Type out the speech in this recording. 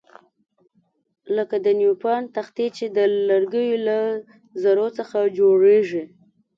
لکه د نیوپان تختې چې د لرګیو له ذرو څخه جوړیږي.